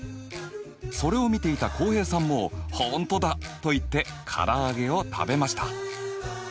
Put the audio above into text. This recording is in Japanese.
それを見ていた浩平さんも「本当だ！」と言って唐揚げを食べました。